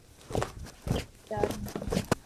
اقتدار میں ہوں۔